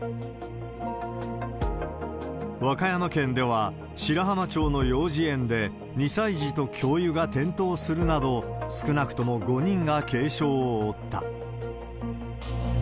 和歌山県では、白浜町の幼児園で２歳児と教諭が転倒するなど、少なくとも５人が軽傷を負った。